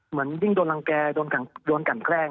เหมือนยิ่งโดนรังแก่โดนกันแกล้ง